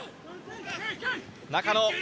中野。